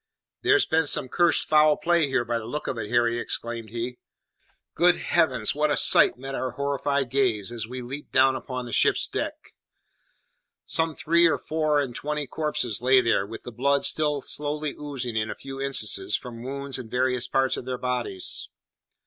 "There's been some cursed foul play here, by the look of it, Harry," exclaimed he. Good heavens! what a sight met our horrified gaze as we leaped down upon the ship's deck! Some three or four and twenty corpses lay there, with the blood still slowly oozing in a few instances from wounds in various parts of their bodies.